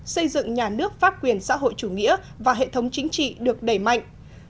xây dựng nhà nước pháp quyền xã hội chủ nghĩa và hệ thống chính trị được đẩy mạnh